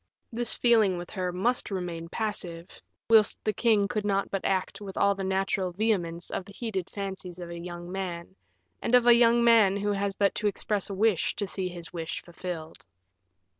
This feeling with her must remain passive, whilst the king could not but act with all the natural vehemence of the heated fancies of a young man, and of a young man who has but to express a wish to see his wish fulfilled.